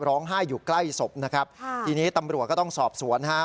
ร้องไห้อยู่ใกล้ศพนะครับค่ะทีนี้ตำรวจก็ต้องสอบสวนฮะ